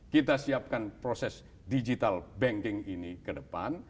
kita siapkan proses digital banking ini ke depan